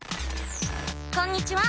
こんにちは。